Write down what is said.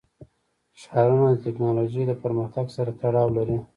ښارونه د تکنالوژۍ له پرمختګ سره تړاو لري.